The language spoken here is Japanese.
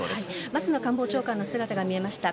松野官房長官の姿が見えました。